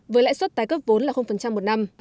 với lãi suất tái cấp vốn là một năm